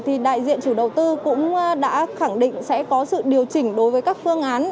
thì đại diện chủ đầu tư cũng đã khẳng định sẽ có sự điều chỉnh đối với các phương án